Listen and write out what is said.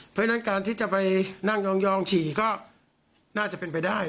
เพราะฉะนั้นการที่จะไปนั่งยองฉี่ก็น่าจะเป็นไปได้